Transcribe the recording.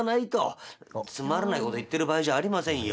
「つまらないこと言ってる場合じゃありませんよ。